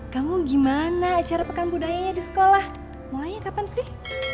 kamu gimana acara pekan budayanya di sekolah mulainya kapan sih